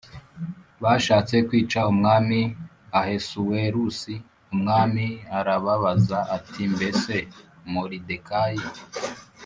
bashatse kwica Umwami Ahasuwerusi Umwami arababaza ati mbese Moridekayi